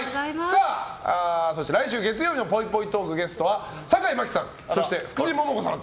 そして来週月曜日のぽいぽいトークゲストは坂井真紀さんそして福地桃子さん。